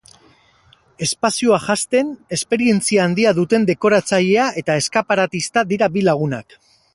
Espazioa jazten esperientzia handia duten dekoratzailea eta eskaparatista dira bi lagunak.